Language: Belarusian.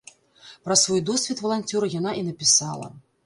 Пра свой досвед валанцёра яна і напісала.